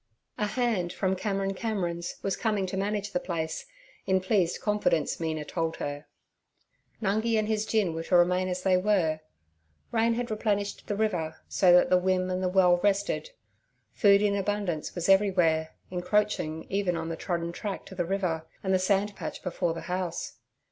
A 'hand' from Cameron Cameron's was coming to manage the place, in pleased confidence Mina told her; Nungi and his gin were to remain as they were. Rain had replenished the river, so that the wim and the well rested; food in abundance was everywhere, encroaching even on the trodden track to the river and the sand patch before the house.